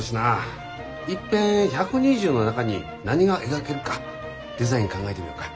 いっぺん１２０の中に何が描けるかデザイン考えてみよか。